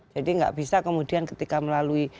jadi gak bisa kemudian ketika melalui